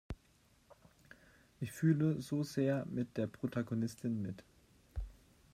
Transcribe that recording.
Ich fühle so sehr mit der Protagonistin mit.